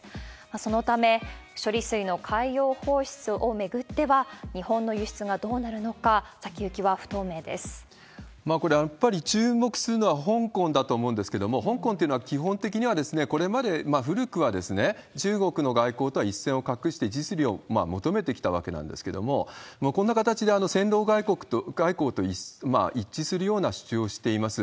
そのため、処理水の海洋放出を巡っては、日本の輸出がどうなるのか、これ、やっぱり注目するのは香港だと思うんですけれども、香港っていうのは、基本的には、これまで古くは中国の外交とは一線を画して、実利を求めてきたわけなんですけれども、こんな形で戦狼外交と一致するような主張をしています。